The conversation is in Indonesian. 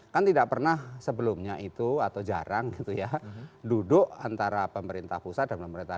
kan tidak pernah sebelumnya itu atau jarang gitu ya duduk antara pemerintah pusat dan pemerintah